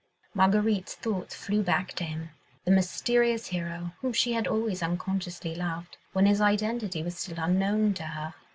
Marguerite's thoughts flew back to him, the mysterious hero, whom she had always unconsciously loved, when his identity was still unknown to her.